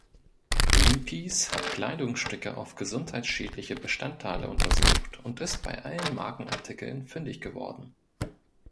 Greenpeace hat Kleidungsstücke auf gesundheitsschädliche Bestandteile untersucht und ist bei allen Markenartikeln fündig geworden.